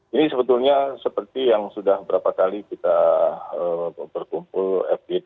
ini sebetulnya seperti yang sudah berapa kali kita berkumpul